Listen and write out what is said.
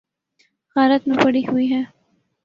غارت میں پڑی ہوئی ہے۔